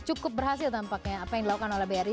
cukup berhasil tampaknya apa yang dilakukan oleh bri